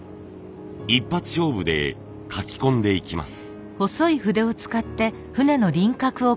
一発勝負で描き込んでいきます。